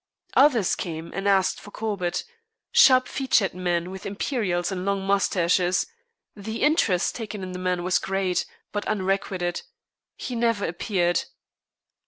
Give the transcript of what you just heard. Others came and asked for Corbett sharp featured men with imperials and long moustaches the interest taken in the man was great, but unrequited. He never appeared.